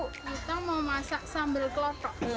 kita mau masak sambal kelotok